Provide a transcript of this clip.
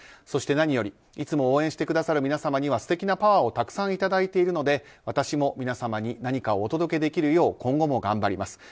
そして何よりいつも応援してくださる皆様には素敵なパワーをたくさんいただいているので私も皆様に何かお届けできるよう今後もがなります。